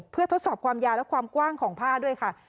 เพื่อทดสอบความยาวและความกว้างของผ้าด้วยค่ะ